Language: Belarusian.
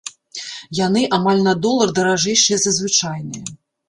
Яны амаль на долар даражэйшыя за звычайныя.